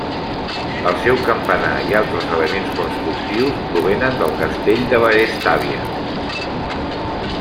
El seu campanar, i altres elements constructius, provenen del Castell de Vallestàvia.